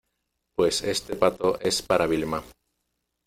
pues este pato es para Vilma.